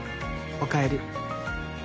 おかえり。